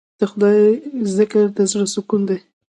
د خدای ذکر د زړه سکون دی.